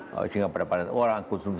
sehingga pada pada orang konsumen